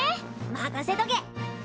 任せとけ！